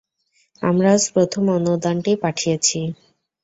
আমরা আজ প্রথম অনুদানটি পাঠিয়েছি।